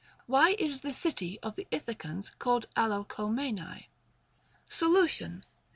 Why is the city of the Ithacans called Alalcomenae ? Solution.